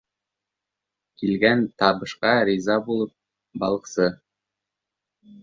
Килгән табышҡа риза булып балыҡсы